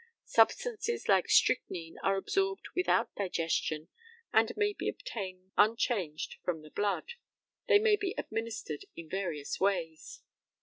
Substances like strychnine are absorbed without digestion, and may be obtained unchanged from the blood. They may be administered in various ways.